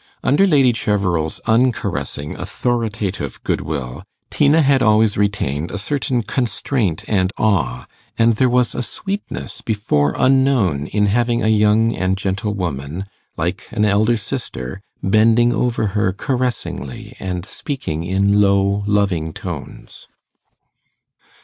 Under Lady Cheverel's uncaressing authoritative goodwill, Tina had always retained a certain constraint and awe; and there was a sweetness before unknown in having a young and gentle woman, like an elder sister, bending over her caressingly, and speaking in low loving tones.